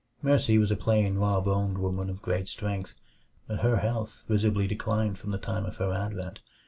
Mercy was a plain, raw boned woman of great strength; but her health visibly declined from the time of her advent.